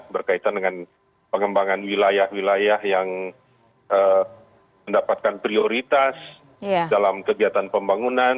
berkaitan dengan pengembangan wilayah wilayah yang mendapatkan prioritas dalam kegiatan pembangunan